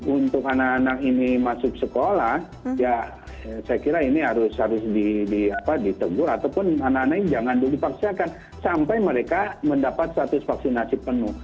untuk anak anak ini masuk sekolah ya saya kira ini harus ditegur ataupun anak anak ini jangan dulu dipaksakan sampai mereka mendapat status vaksinasi penuh